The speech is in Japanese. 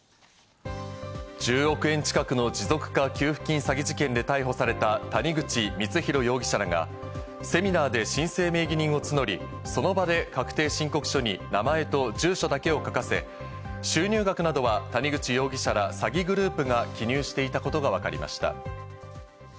１０億円近くの持続化給付金詐欺事件で逮捕された谷口光弘容疑者らがセミナーで申請名義人を募り、その場で確定申告書に名前と住所だけを書かせ、収入額などは谷口容疑者ら詐欺グループが記入していたことがわかりました。